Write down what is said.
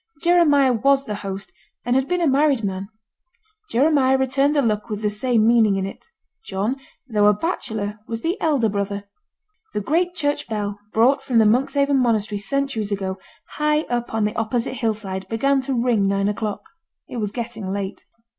Jeremiah was the host, and had been a married man. Jeremiah returned the look with the same meaning in it. John, though a bachelor, was the elder brother. The great church bell, brought from the Monkshaven monastery centuries ago, high up on the opposite hill side, began to ring nine o'clock; it was getting late.